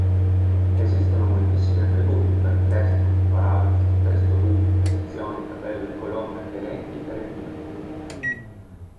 Esistono moltissimi attributi per testo, paragrafi, testo ruby, sezioni, tabelle, colonne, elenchi e riempimenti.